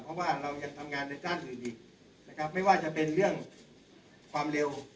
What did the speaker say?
เพราะว่าเรายังทำงานในด้านอื่นอีกนะครับไม่ว่าจะเป็นเรื่องความเร็ว